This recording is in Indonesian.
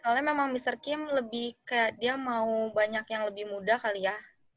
soalnya memang mr kim lebih ke dia mau banyak yang lebih muda kali ya